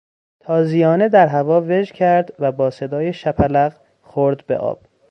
تازیانه در هوا وژ کرد و با صدای شپلق خورد به آب.